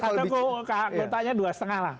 satu kotaknya dua setengah lah